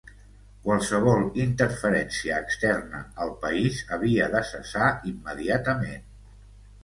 Qualsevol interferència externa al país havia de cessar immediatament.